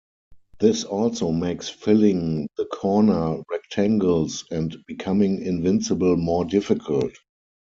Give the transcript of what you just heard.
This also makes filling the corner rectangles and becoming invincible more difficult.